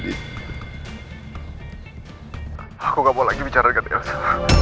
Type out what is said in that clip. dit aku gak mau lagi bicara dengan elsa